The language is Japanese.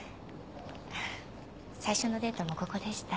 最初のデートもここでした。